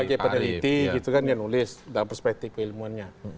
sebagai peneliti gitu kan dia nulis dalam perspektif keilmuannya